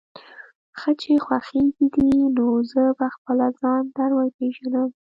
ښه چې خوښېږي دې، نو زه به خپله ځان در وپېژنم.